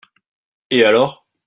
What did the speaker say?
Et alors?